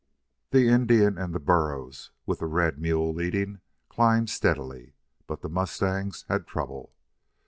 The Indian and the burros, with the red mule leading, climbed steadily. But the mustangs had trouble.